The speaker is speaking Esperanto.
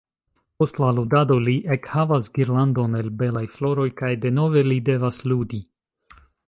Post la ludado li ekhavas girlandon el belaj floroj kaj denove li devas ludi.